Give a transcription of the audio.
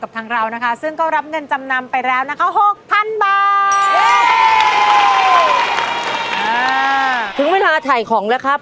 ถึงเวลาถ่ายของแล้วครับ